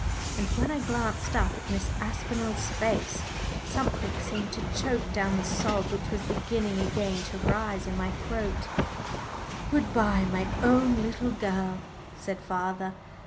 And when I glanced up at Miss Aspinall's face, something seemed to choke down the sob which was beginning again to rise in my throat. [Illustration: "GOOD BYE!"] "Good bye, my own little girl," said father.